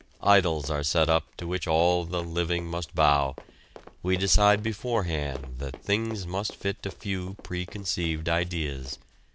Idols are set up to which all the living must bow; we decide beforehand that things must fit a few preconceived ideas.